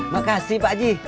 makasih pak ji